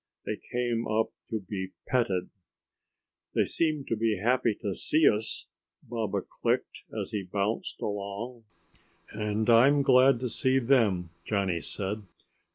They came up to be petted. "They seem happy to see us," Baba clicked as he bounced along. "And I'm glad to see them," Johnny said.